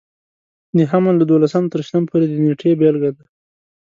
د حمل له دولسم تر شلم پورې د نېټې بېلګه ده.